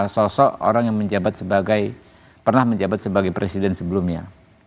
sosok orang yang menjabat sebagai pernah menjabat sebagai presiden sebelumnya